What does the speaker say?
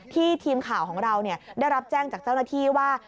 ทีมข่าวของเราได้รับแจ้งจากเจ้าหน้าที่ว่า